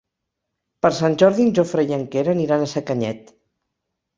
Per Sant Jordi en Jofre i en Quer aniran a Sacanyet.